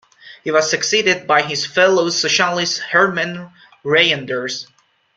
He was succeeded by his fellow socialist Herman Reynders.